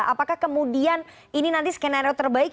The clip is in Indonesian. apakah kemudian ini nanti skenario terbaik